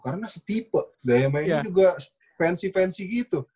karena setipe daya mainnya juga fancy fancy gitu